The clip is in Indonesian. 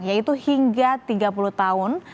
yaitu hingga tiga tahun setelah pemilihan rumah dan kpr